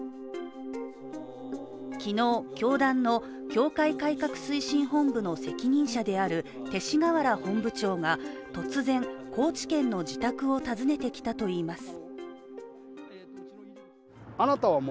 昨日、教団の教会改革推進本部の責任者である勅使河原本部長が突然、高知県の自宅を訪ねてきたといいます。